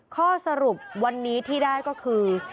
ข้อสรุปวันนี้ที่ได้ก็คือ